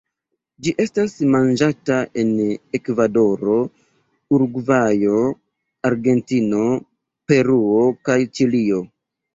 Ĝi estas manĝata en Ekvadoro, Urugvajo, Argentino, Peruo kaj Ĉilio.